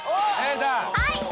はい！